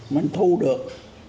mình thu được